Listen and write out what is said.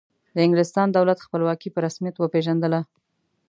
د انګلستان دولت خپلواکي په رسمیت وپیژندله.